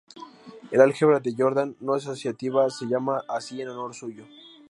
El Álgebra de Jordan no asociativa se llama así en honor suyo.